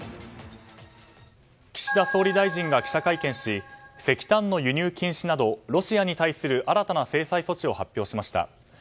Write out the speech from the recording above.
岸田総理大臣が記者会見し石炭の輸入禁止などロシアに対する新たな制裁措置を発表しました。